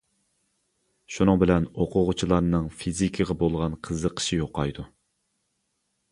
شۇنىڭ بىلەن ئوقۇغۇچىلارنىڭ فىزىكىغا بولغان قىزىقىشى يوقايدۇ.